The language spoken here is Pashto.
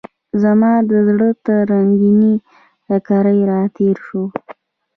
زما د زړه تر رنګینې کړکۍ راتیر شو